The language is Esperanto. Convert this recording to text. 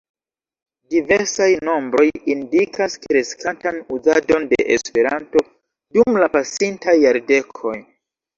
Diversaj nombroj indikas kreskantan uzadon de Esperanto dum la pasintaj jardekoj.